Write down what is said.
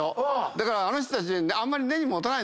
だからあの人たちあんまり根に持たない。